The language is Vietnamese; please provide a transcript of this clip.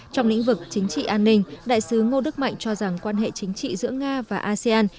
trong lĩnh vực chính trị an ninh đại sứ ngô đức mạnh cho rằng quan hệ chính trị giữa nga và asean